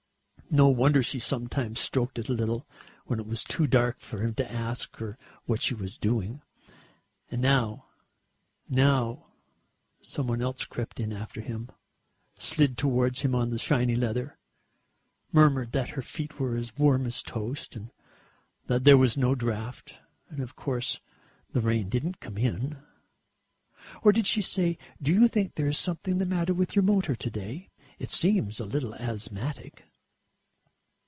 No wonder she sometimes stroked it a little, when it was too dark for him to ask her what she was doing. And now, now some one else crept in after him, slid towards him on the shiny leather, murmured that her feet were as warm as toast, that there was no draught, and of course the rain didn't come in.... Or did she say, "Do you think there is something the matter with your motor to day? It seems a little asthmatic?"